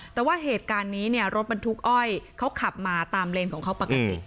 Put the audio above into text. แต่ว่าเหตุการณ์นี้เนี่ยรถบรรทุกอ้อยเขาขับมาตามเลนของเขาปกติ